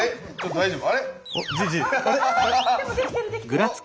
大丈夫？